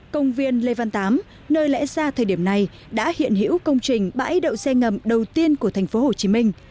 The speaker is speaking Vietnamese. công viên lê văn tám nơi lẽ ra thời điểm này đã hiện hữu công trình bãi đậu xe ngầm đầu tiên của thành phố hồ chí minh